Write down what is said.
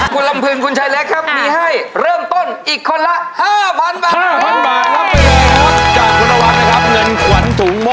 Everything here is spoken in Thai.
คุณลำพึงคุณฉัยเล็กครับมีให้เริ่มต้น